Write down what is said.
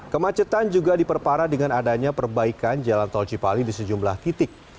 kemacetan juga diperparah dengan adanya perbaikan jalan tol cipali di sejumlah titik